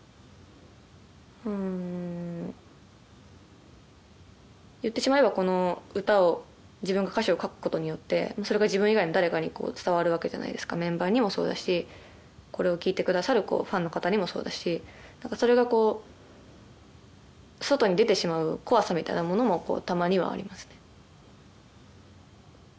うん言ってしまえばこの歌を自分が歌詞を書くことによってそれが自分以外の誰かに伝わるわけじゃないですかメンバーにもそうだしこれを聴いてくださるファンの方にもそうだしそれがこう外に出てしまう怖さみたいなものもたまにはありますね